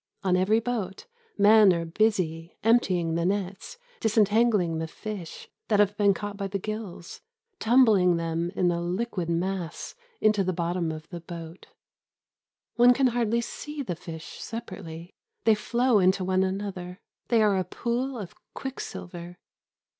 On every boat men are busy emptying the nets, disentangling the fish that have been caught by the gills, tumbling them in a liquid mass into the bottom of the boat. One can hardly see the fish separately. They flow into one another. They are a pool of quick silver.